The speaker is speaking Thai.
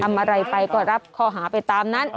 ทำอะไรไปก็รับข้อหาไปตามนั้น